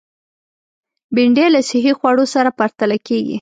بېنډۍ له صحي خوړو سره پرتله کېږي